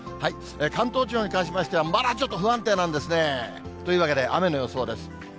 関東地方に関しましては、まだちょっと不安定なんですね。というわけで、雨の予想です。